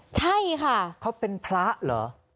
ใช่ค่ะเขาเป็นพระเหรอ